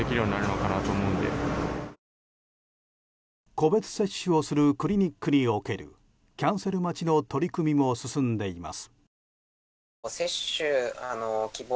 個別接種をするクリニックにおけるキャンセル待ちの取り組みも進んでいます。